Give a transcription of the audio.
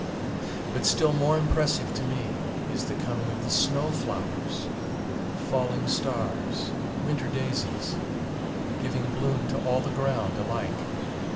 But still more impressive to me is the coming of the snow flowers,—falling stars, winter daisies,—giving bloom to all the ground alike.